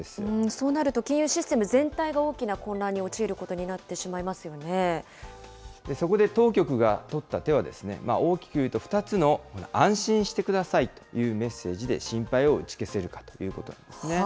そうなると金融システム全体が大きな混乱に陥ることになってそこで当局が取った手は、大きくいうと、２つの安心してくださいというメッセージで心配を打ち消せるかということなんですね。